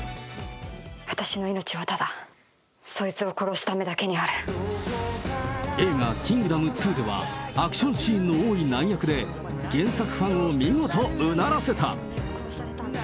私の命はただ、映画、キングダム２ではアクションシーンの多い難役で、原作ファンを見事うならせた。